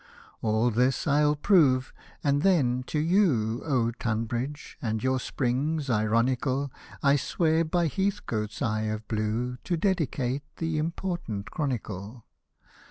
All this I'll prove, and then, to you, O Tunbridge I and your spring s ironical^ ' I swear by Heathcote's eye of blue To dedicate the important chronicle.